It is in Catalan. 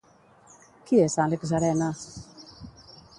Qui és Àlex Arenas?